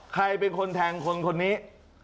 ใครเป็นคนแทงคนคนนี้